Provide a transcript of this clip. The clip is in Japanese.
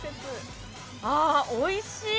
あっおいしい！